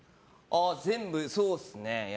全部、そうですね。